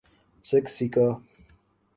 سکسیکا